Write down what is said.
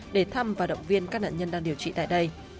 để thăm và động viên các nạn nhân đang điều trị tại đây